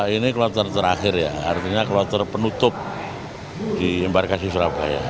ini kloter terakhir ya artinya kloter penutup di embarkasi surabaya